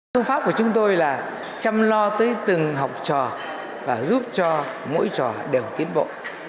thông pháp của chúng tôi là chăm lo tới từng học trò và giúp cho mỗi trò đều tiến bộ